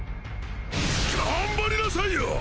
頑張りなさいよ！！